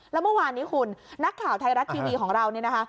แล้วเมื่อวานนี้คุณนักข่าวไทยรัฐทีวีของเราเนี่ยนะคะ